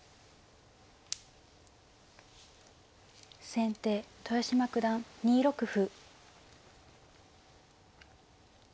先手豊島九段２六歩。